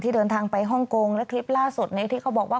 เดินทางไปฮ่องกงและคลิปล่าสุดนี้ที่เขาบอกว่า